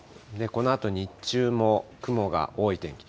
このあと日中も雲が多い天気。